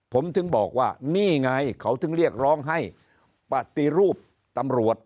ผมถึงบอกว่านี่ไงเขาถึงเรียกร้องให้ปฏิรูปตำรวจ